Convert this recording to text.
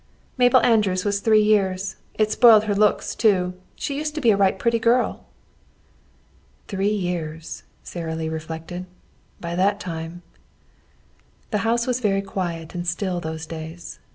"Mabel Andrews was three years. It spoiled her looks too. She used to be a right pretty girl." "Three years," Sara Lee reflected. "By that time " The house was very quiet and still those days.